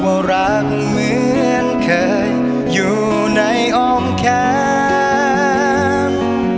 ว่ารักเหมือนเคยอยู่ในอ้อมแขน